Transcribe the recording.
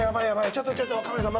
ちょっとちょっとカメラさん